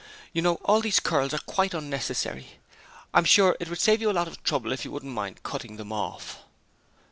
You know all these curls are quite unnecessary. I'm sure it would save you a lot of trouble if you wouldn't mind cutting them off.'